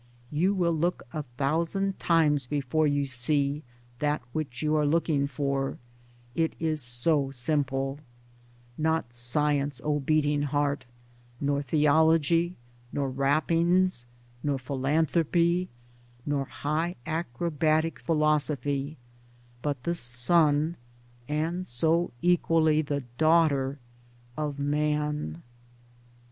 You will look a thousand times before you see that which you are looking for — it is so simple — 52 Towards Democracy Not science, O beating heart, nor theology, nor rappings, nor philanthropy, nor high acrobatic philosophy, But the Son — and so equally the Daughter — of Man.